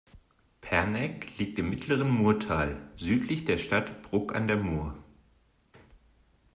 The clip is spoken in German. Pernegg liegt im Mittleren Murtal südlich der Stadt Bruck an der Mur.